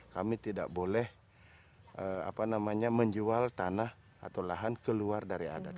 kami tidak boleh menjual tanah atau lahan keluar dari adat